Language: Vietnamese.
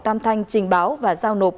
tam thanh trình báo và rào nộp